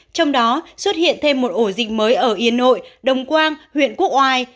trong đó xuất hiện thêm một ổ dịch mới ở yên nội đồng quang huyện quốc oai